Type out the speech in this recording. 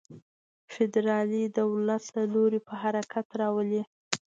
فدرالي دولت له لوري په حرکت راولي.